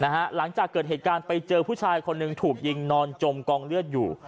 หลังจากเกิดเหตุการณ์ไปเจอผู้ชายคนหนึ่งถูกยิงนอนจมกองเลือดอยู่